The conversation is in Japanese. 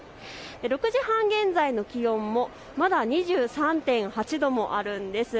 ６時半現在の気温もまだ２３．８度もあるんです。